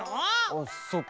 あそっか。